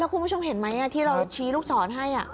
คุณผู้ชมเห็นไหมที่เราชี้ลูกศรให้